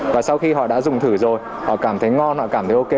và sau khi họ đã dùng thử rồi họ cảm thấy ngon họ cảm thấy ok